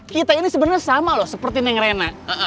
kita ini sebenarnya sama loh seperti neng rena